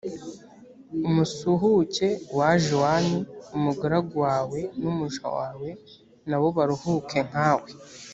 umusuhuke waje iwanyu, umugaragu wawe n’umuja wawe na bo baruhuke nkawe.